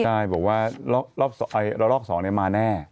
ใช่บอกว่ารอบสอบนี้มาแน่